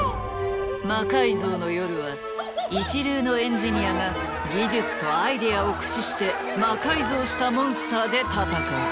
「魔改造の夜」は一流のエンジニアが技術とアイデアを駆使して魔改造したモンスターで戦う。